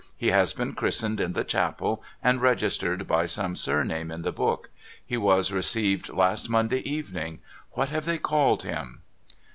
He has been christened in the chapel, and registered by some surname in the book. He was received last Monday evening. What have they called him